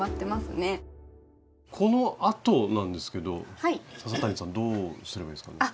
このあとなんですけど笹谷さんどうすればいいですか？